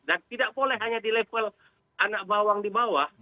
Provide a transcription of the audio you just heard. dan tidak boleh hanya di level anak bawang di bawah